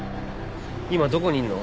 今どこにいるの？